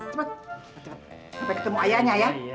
sampai ketemu ayahnya ya